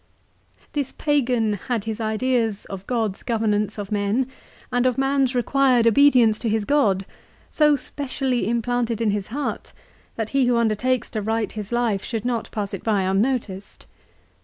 This pagan had his ideas of God's governance of men, and of man's required obedience to his God, so specially implanted in his heart that he who undertakes to write his life should not pass it by unnoticed.